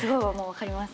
分かります。